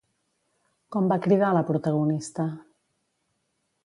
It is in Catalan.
Com va cridar la protagonista?